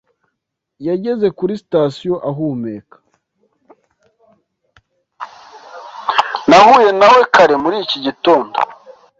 Yageze kuri sitasiyo ahumeka.